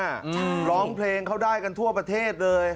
ร้องเพลงเขาได้กันทั่วประเทศเลย